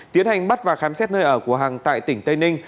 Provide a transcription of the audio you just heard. tiến hành bắt và khám xét nơi ở của hằng tại tỉnh tây ninh